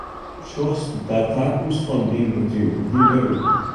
Hoe sjochst de takomst fan dyn bedriuw, dyn berop?